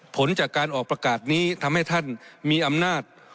ผลจากการออกประกาศนี้ทำให้ท่านมีอำนาจ